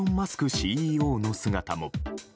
ＣＥＯの姿も。